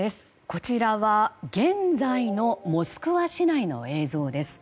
こちらは現在のモスクワ市内の映像です。